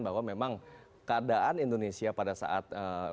bahwa memang keadaan indonesia pada saat